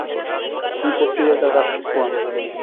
তিনি পত্রিকায় তার কাজটি খোয়ান।